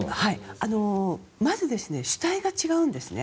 まず主体が違うんです。